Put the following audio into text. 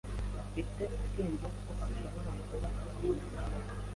afite ubwenge ko ashobora kuba inkoni